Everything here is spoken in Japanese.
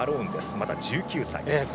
まだ１９歳。